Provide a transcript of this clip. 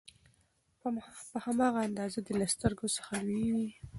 په هماغه اندازه دې له سترګو څخه لوييږي